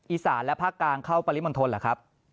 อีสานและภาคกลางเข้าปริมณฑลเหรอครับ